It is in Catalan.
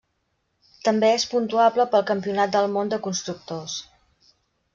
També és puntuable pel Campionat del món de constructors.